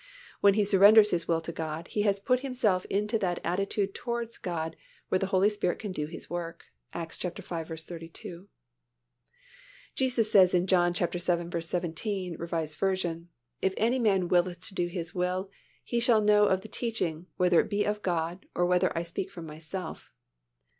When he surrenders his will to God, he has put himself into that attitude towards God where the Holy Spirit can do His work (Acts v. 32). Jesus says in John vii. 17, R. V., "If any man willeth to do His will, he shall know of the teaching, whether it be of God, or whether I speak from Myself."